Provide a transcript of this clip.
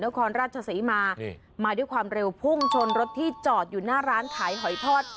ครราชศรีมานี่มาด้วยความเร็วพุ่งชนรถที่จอดอยู่หน้าร้านขายหอยทอด